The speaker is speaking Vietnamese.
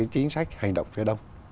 chính sách hành động phía đông